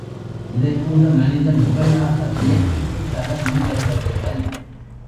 இதைக்கூட மனிதன் முறையாக இயற்கைக்குத் தர முன்வருவதில்லை.